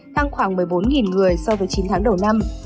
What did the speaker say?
tăng khoảng một mươi bốn người so với chín tháng đầu năm